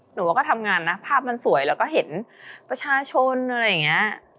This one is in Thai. หนูว่าก็ทำงานนะภาพมันสวยแล้วก็เห็นประชาชนอะไรอย่างนี้